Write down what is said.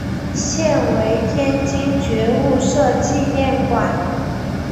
现为天津觉悟社纪念馆。